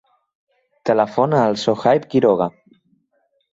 Telefona al Sohaib Quiroga.